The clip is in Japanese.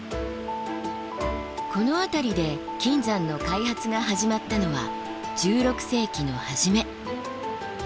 この辺りで金山の開発が始まったのは１６世紀の初め。